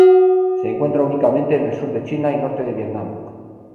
Se encuentra únicamente en el sur de China y norte de Vietnam.